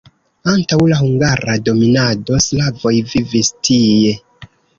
Antaŭ la hungara dominado slavoj vivis tie.